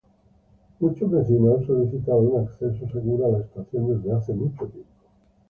Muchos vecinos han solicitado un acceso seguro a la estación desde hace mucho tiempo.